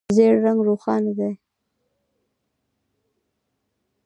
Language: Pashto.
ژېړ رنګ روښانه دی.